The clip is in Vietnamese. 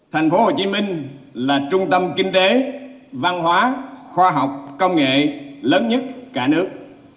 thành phố hồ chí minh là trung tâm kinh tế văn hóa khoa học công nghệ lớn nhất cả nước